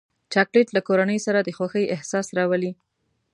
چاکلېټ له کورنۍ سره د خوښۍ احساس راولي.